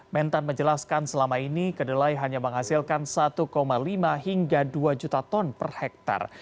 mentan menjelaskan selama ini kedelai hanya menghasilkan satu lima hingga dua juta ton per hektare